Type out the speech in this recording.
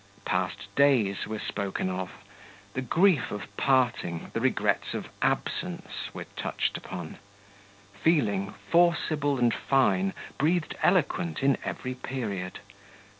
Past days were spoken of; the grief of parting, the regrets of absence, were touched upon; feeling, forcible and fine, breathed eloquent in every period.